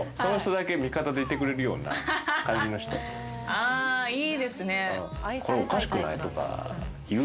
あいいですね。